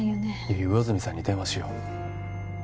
悠依魚住さんに電話しよう